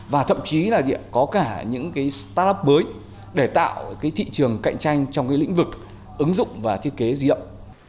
và thậm chí là có cả những startup mới để tạo thị trường cạnh tranh trong lĩnh vực ứng dụng và thiết kế di động